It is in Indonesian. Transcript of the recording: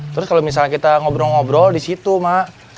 terus kalau misalnya kita ngobrol ngobrol disitu mak